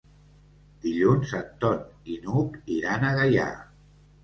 Dilluns en Ton i n'Hug iran a Gaià.